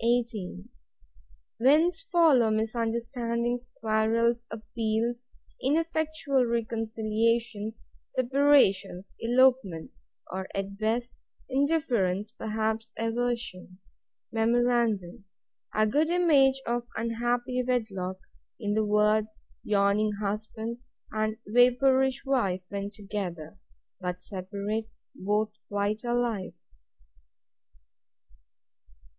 18. Whence follow misunderstandings, quarrels, appeals, ineffectual reconciliations, separations, elopements; or, at best, indifference; perhaps, aversion.—Memorandum; A good image of unhappy wedlock, in the words YAWNING HUSBAND, and VAPOURISH WIFE, when together: But separate, both quite alive.